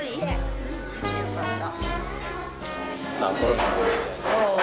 よかった。